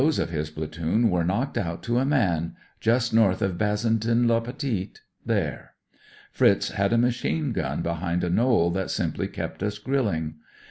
's of his platoon were knocked out to a man, just north of Bazentin le Petit there. Fritz had a machine gun behind a knoll that simply kept us grilling.